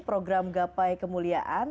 program gapai kemuliaan